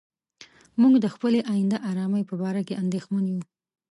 موږ د خپلې آینده آرامۍ په باره کې اندېښمن یو.